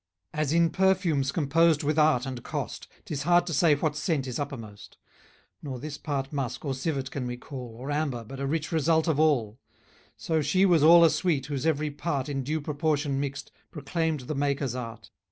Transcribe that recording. } As in perfumes composed with art and cost, Tis hard to say what scent is uppermost; Nor this part musk or civet can we call, Or amber, but a rich result of all; So she was all a sweet, whose every part, In due proportion mixed, proclaimed the Maker's art.